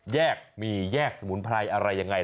แยกมีแยกสมุนไพรอะไรยังไง